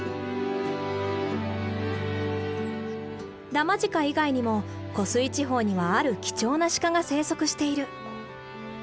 ダマジカ以外にも湖水地方にはある貴重なシカが生息している。